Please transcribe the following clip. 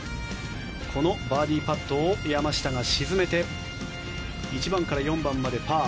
このバーディーパットを山下が沈めて１番から４番までパー。